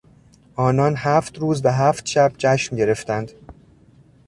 آنان هفت روز و هفت شب جشن گرفتند.